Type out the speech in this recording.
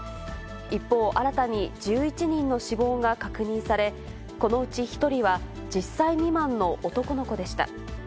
一方、新たに１１人の死亡が確認され、このうち１人は１０歳未満の男の子でした。